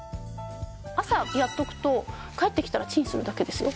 朝やっておくと帰ってきたらチンするだけですよ。